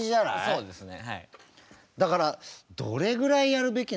そうですね。